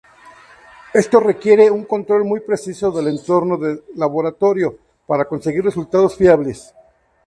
Esto requiere un control muy preciso del entorno de laboratorio para conseguir resultados fiables.